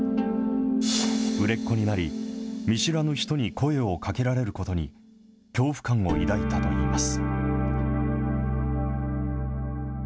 売れっ子になり、見知らぬ人に声をかけられることに、恐怖感を抱いたといいます。